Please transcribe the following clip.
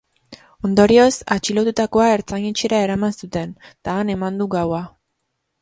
Ondorioz, atxilotutakoa ertzain-etxera eraman zuten, eta han eman du gaua.